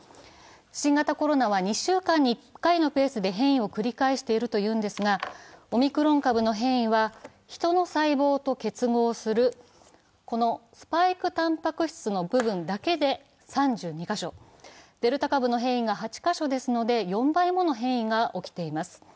新型コロナは２週間に１回のペースで変異を繰り返しているというのですがオミクロン株の変異はヒトの細胞と結合するスパイクたんぱく質の部分だけで３２カ所、デルタ株の変異が８カ所ですので、４倍もの変異が起きています。